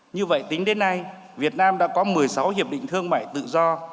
như vậy tính đến nay việt nam đã có một mươi sáu hiệp định thương mại tự do